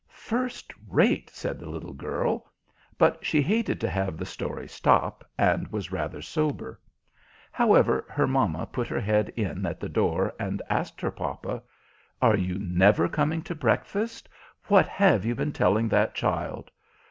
"First rate!" said the little girl; but she hated to have the story stop, and was rather sober. However, her mamma put her head in at the door, and asked her papa: "Are you never coming to breakfast? What have you been telling that child?"